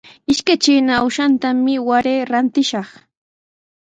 Ishkay trina uushatami waray rantishaq.